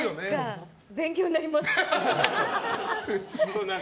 勉強になります。